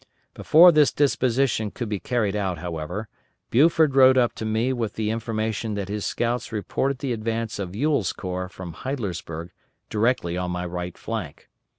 Before this disposition could be carried out, however, Buford rode up to me with the information that his scouts reported the advance of Ewell's corps from Heidlersburg directly on my right flank.